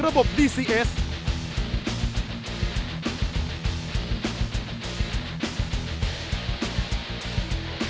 แกร่งจริง